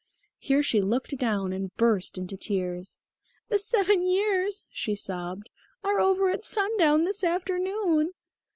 Here she looked down and burst into tears. "The seven years," she sobbed, "are over at sundown this afternoon."